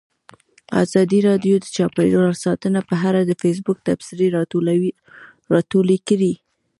ازادي راډیو د چاپیریال ساتنه په اړه د فیسبوک تبصرې راټولې کړي.